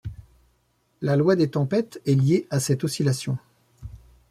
La loi des tempêtes est liée à cette oscillation.